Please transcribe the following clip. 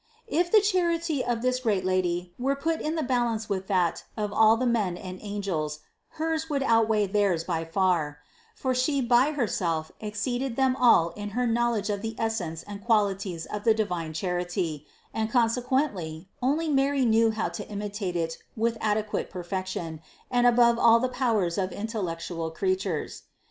523. If the charity of this great Lady were put in the balance with that of all the men and angels, hers would outweigh theirs by far; for She by Herself exceeded them all in her knowledge of the essence and qualities of the divine Charity and consequently only Mary knew how to imitate It with adequate perfection and above all the powers of intellectual creatures.